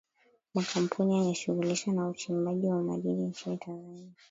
makampuni yanajishughulisha na uchimbaji wa madini nchini tanzania